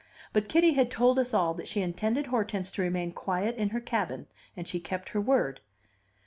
But Kitty had told us all that she intended Hortense to remain quiet in her cabin; and she kept her word.